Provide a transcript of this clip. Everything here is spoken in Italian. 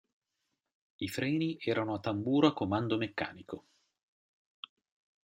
I freni erano a tamburo a comando meccanico.